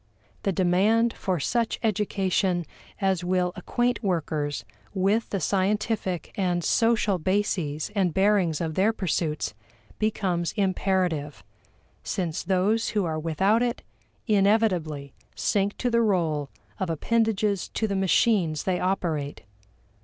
The demand for such education as will acquaint workers with the scientific and social bases and bearings of their pursuits becomes imperative, since those who are without it inevitably sink to the role of appendages to the machines they operate.